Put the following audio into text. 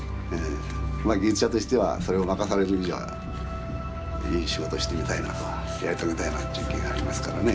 まあ技術者としてはそれを任される以上はいい仕事してみたいなとやり遂げたいなという気がありますからね。